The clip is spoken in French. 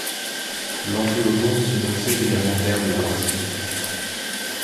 L'entélodonte se nourrissait également d'herbes et de racines.